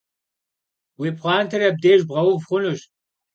Уи пхъуантэр абдеж бгъэув хъунущ.